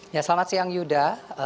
ya selamat siang yuda